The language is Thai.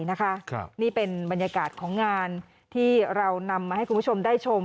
นี่เป็นบรรยากาศของงานที่เรานำมาให้คุณผู้ชมได้ชม